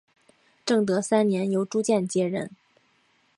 正德三年由朱鉴接任。